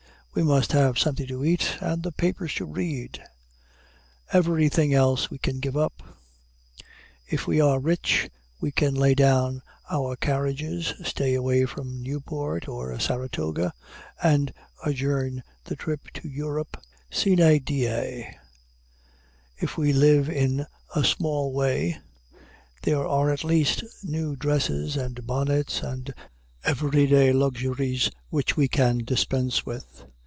We must have something to eat, and the papers to read. Everything else we can give up. If we are rich, we can lay down our carriages, stay away from Newport or Saratoga, and adjourn the trip to Europe sine die. If we live in a small way, there are at least new dresses and bonnets and every day luxuries which we can dispense with.